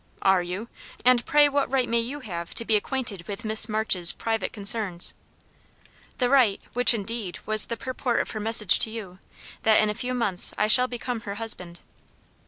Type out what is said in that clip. "Are you? And pray what right may you have to be acquainted with Miss March's private concerns?" "The right which, indeed, was the purport of her message to you that in a few months I shall become her husband."